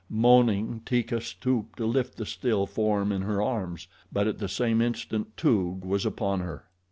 Moaning, Teeka stooped to lift the still form in her arms; but at the same instant Toog was upon her.